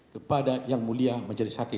kepada yang mulia majelis hakim